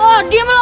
oh diam loh